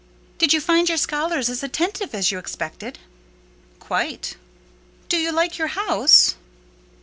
"Did you find your scholars as attentive as you expected?" "Quite." "Do you like your house?"